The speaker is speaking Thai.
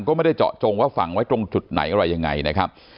ก็ไม่ได้เจาะจงว่าฝังไว้ตรงจุดไหนอะไรยังไงนะครับ